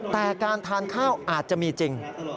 แต่การทานข้าวอาจจะมีจริง